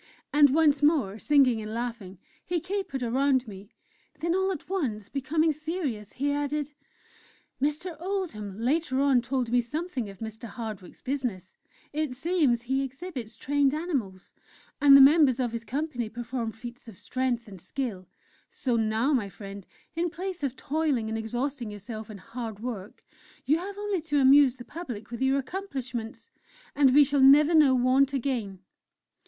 And once more, singing and laughing, he capered around me. Then, all at once becoming serious, he added: "Mr. Oldham later on told me something of Mr. Hardwick's business. It seems he exhibits trained animals; and the members of his company perform feats of strength and skill. So now, my friend, in place of toiling and exhausting yourself in hard work, you have only to amuse the public with your accomplishments and we shall never know want again!"